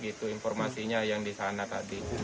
itu informasinya yang di sana tadi